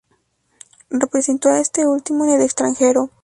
Representó a este último en el extranjero.